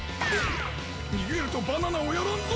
にげるとバナナをやらんぞ！